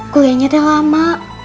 kuliahnya teh lama